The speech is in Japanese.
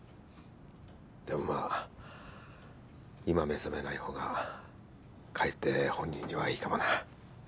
でもまあ今目覚めないほうがかえって本人にはいいかもな。